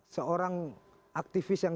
seorang aktivis yang